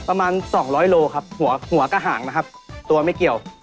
ประมาณ๒๐๐โลครับหัวกระหางนะครับตัวไม่เกี่ยว